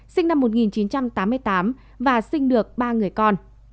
sinh năm một nghìn chín trăm tám mươi tám và sinh được ba người con